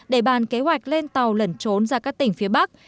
để bàn kế hoạch lên tàu lẩn trốn ra các tỉnh phía bắc